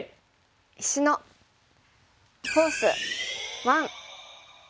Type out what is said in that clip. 「石のフォース１」。